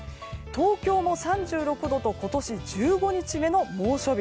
東京も３６度と今年１５日目の猛暑日。